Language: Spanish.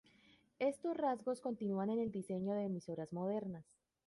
Estos rasgos continúan en el diseño de emisoras modernas.